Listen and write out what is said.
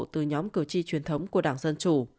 từ nhóm cử tri truyền thống của đảng dân chủ